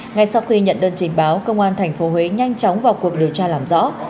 ngay sau khi nhận đơn trình báo công an tp huế nhanh chóng vào cuộc điều tra làm rõ